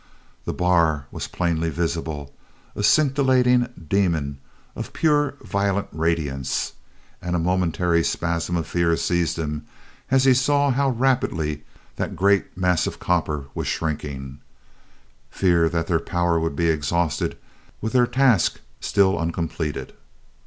The bar was plainly visible, a scintillating demon of pure violet radiance, and a momentary spasm of fear seized him as he saw how rapidly that great mass of copper was shrinking fear that their power would be exhausted with their task still uncompleted.